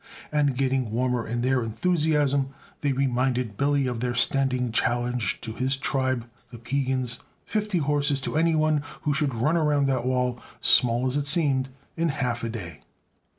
And, getting warmer in their enthusiasm, they reminded Billy of their standing challenge to his tribe, the Piegans fifty horses to anyone who should run around that wall, small as it seemed, in half a day.